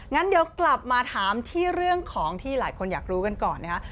งั้นเดี๋ยวกลับมาถามที่เรื่องของที่หลายคนอยากรู้กันก่อนนะคะ